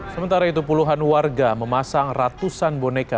sementara itu puluhan warga memasang ratusan boneka